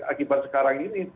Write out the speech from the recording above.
akibat sekarang ini